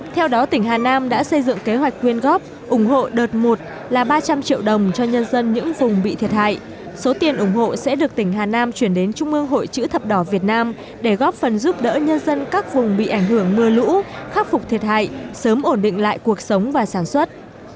theo đó tỉnh hà nam đã xây dựng kế hoạch quyên góp ủng hộ đợt một là ba trăm linh triệu đồng cho nhân dân những vùng bị thiệt hại số tiền ủng hộ sẽ được tỉnh hà nam chuyển đến trung ương hội chữ thập đỏ việt nam để góp phần giúp đỡ nhân dân các vùng bị ảnh hưởng mưa lũ khắc phục thiệt hại sớm ổn định lại cuộc sống và sản xuất